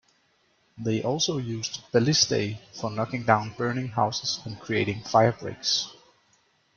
They also used "ballistae" for knocking down burning houses and creating firebreaks.